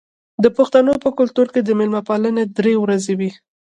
د پښتنو په کلتور کې د میلمه پالنه درې ورځې وي.